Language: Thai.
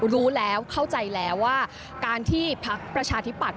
รู้แล้วเข้าใจแล้วว่าการที่พักประชาธิปัตย